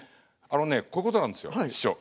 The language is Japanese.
あのねこういうことなんですよ師匠。